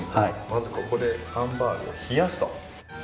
まずここでハンバーグを冷やすと。